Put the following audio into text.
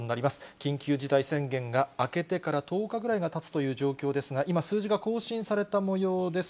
緊急事態宣言が明けてから１０日ぐらいがたつという状況ですが、今、数字が更新されたもようです。